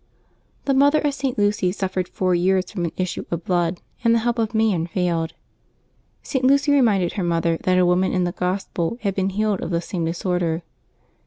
^^HE mother of St. Lucy suffered four years from an ^/ issue of blood, and the help of man failed. St. Lucy reminded her mother that a woman in the Gospel had been healed of the same disorder.